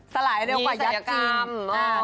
สลายเร็วกว่ายักษ์จริง